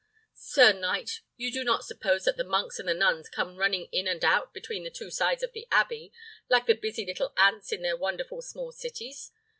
sir knight, you do not suppose that the monks and the nuns come running in and out between the two sides of the abbey, like the busy little ants in their wonderful small cities?